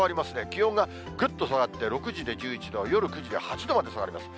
気温がぐっと下がって、６時で１１度、夜９時で８度まで下がります。